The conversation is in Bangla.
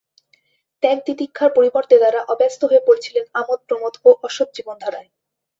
ত্যাগ তিতিক্ষার পরিবর্তে তারা অব্যস্ত হয়ে পড়েছিলেন আমোদ প্রমোদ ও অসৎ জীবনধারায়।